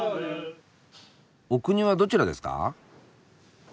お国はどちらですか？